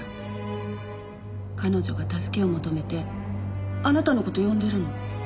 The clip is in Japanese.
彼女が助けを求めてあなたの事呼んでるの。